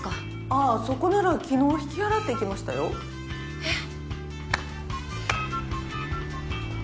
ああそこなら昨日引き払っていきましたよえっ？